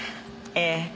ええ。